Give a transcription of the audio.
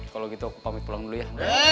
kalau gitu aku pamit pulang dulu ya